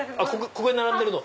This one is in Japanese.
ここへ並んでるの？